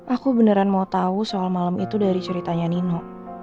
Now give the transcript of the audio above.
aku beneran mau tahu soal malam itu dari ceritanya nino